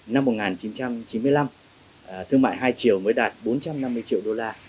năm một nghìn chín trăm chín mươi năm thương mại hai triệu mới đạt bốn trăm năm mươi triệu đô la